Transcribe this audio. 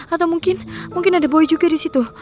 atau mungkin ada boy juga di situ